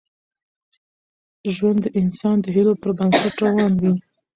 ژوند د انسان د هیلو پر بنسټ روان وي.